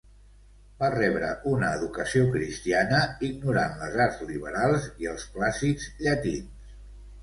Va rebre una educació cristiana, ignorant les arts liberals i els clàssics llatins.